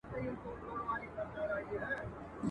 د خزان په موسم کي !.